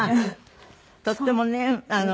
とってもね